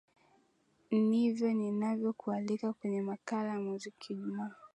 nivyo ninavyokualika kwenye makala muziki ijumaa